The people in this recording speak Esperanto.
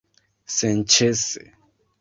senĉese